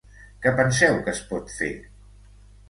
Què penseu que es pot fer?